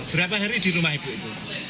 berapa hari di rumah ibu itu